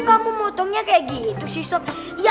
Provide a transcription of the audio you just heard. kamu motongnya kayak gitu bursts